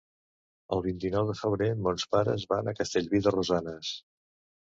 El vint-i-nou de febrer mons pares van a Castellví de Rosanes.